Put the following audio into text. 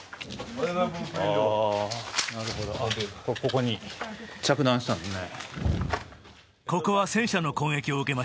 ここに着弾したんですね。